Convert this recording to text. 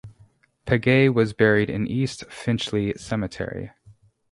Paget was buried in East Finchley Cemetery.